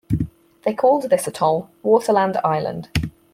They called this atoll "Waterland Island".